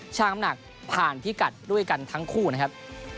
ช่างน้ำหนักผ่านพิกัดด้วยกันทั้งคู่นะครับ